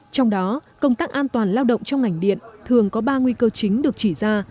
trong đó công tác an toàn lao động trong ngành điện thường có ba nguy cơ chính được chỉ ra